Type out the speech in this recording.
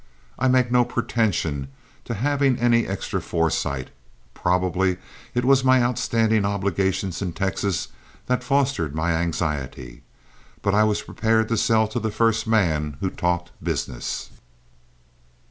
I make no pretension to having any extra foresight, probably it was my outstanding obligations in Texas that fostered my anxiety, but I was prepared to sell to the first man who talked business.